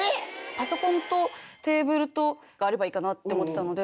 パソコンとテーブルがあればいいかなって思ってたので。